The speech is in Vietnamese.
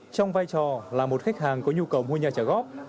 trong vai trò là một khách hàng có nhu cầu mua nhà trả góp